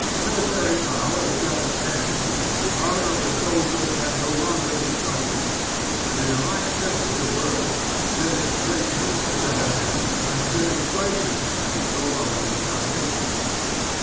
Military power is at an end when the honor of the soldier can no longer be trusted ; and, in the right sense of the word, civic greatness is at an The Best and the Good 131 end when civic righteousness is no longer its foundation.